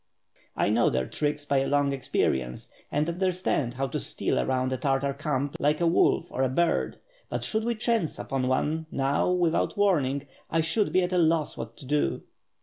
I know their tricks by a long experience, and understand how to steal around a Tartar camp like a wolf or a bird, but should we chance upon one now without warning, I should be at loss what to do."